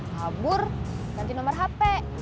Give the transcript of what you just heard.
kabur ganti nomor hp